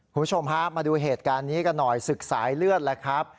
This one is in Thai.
คุณผู้ชมฮะมาดูเหตุการณ์นี้กันหน่อยศึกสายเลือดแหละครับ